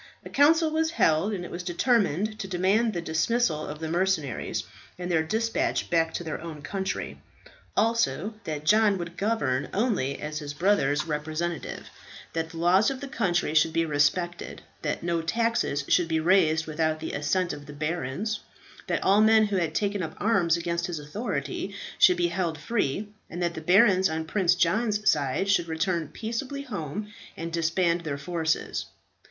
A council was held, and it was determined to demand the dismissal of the mercenaries and their despatch back to their own country; also that John would govern only as his brother's representative; that the laws of the country should be respected; that no taxes should be raised without the assent of the barons; that all men who had taken up arms against his authority should be held free; and that the barons on Prince John's side should return peaceably home and disband their forces.